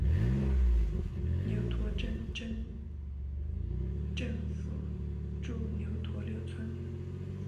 牛驼镇镇政府驻牛驼六村。